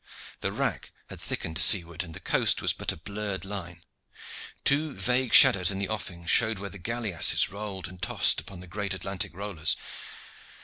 The wrack had thickened to seaward, and the coast was but a blurred line. Two vague shadows in the offing showed where the galeasses rolled and tossed upon the great Atlantic rollers.